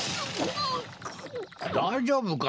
だいじょうぶか？